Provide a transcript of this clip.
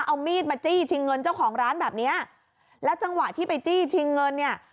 เอามีดมาจี้ชิงเงินเจ้าของร้านแบบเนี้ยแล้วจังหวะที่ไปจี้ชิงเงินเนี่ย